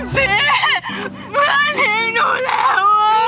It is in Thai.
พี่เมื่อทิ้งหนูแล้ว